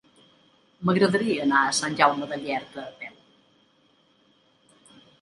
M'agradaria anar a Sant Jaume de Llierca a peu.